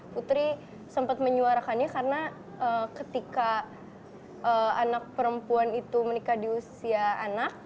putri sempat menyuarakannya karena ketika anak perempuan itu menikah di usia anak